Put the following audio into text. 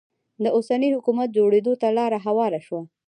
د اوسني حکومت جوړېدو ته لاره هواره شوه.